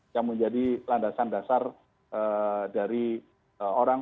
yang menjadi landasan dasar dari orang